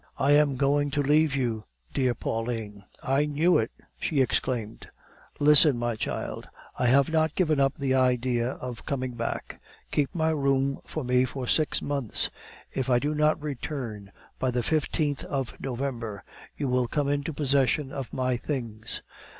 "'I am going to leave you, dear Pauline.' "'I knew it!' she exclaimed. "'Listen, my child. I have not given up the idea of coming back. Keep my room for me for six months. If I do not return by the fifteenth of November, you will come into possession of my things.